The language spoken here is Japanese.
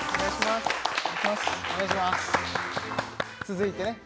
続いてね